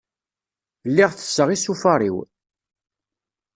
Lliɣ tesseɣ isufar-iw.